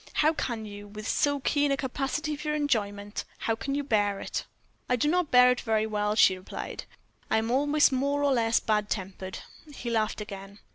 How can you, with so keen a capacity for enjoyment how can you bear it?" "I do not bear it very well," she replied; "I am always more or less bad tempered." He laughed again.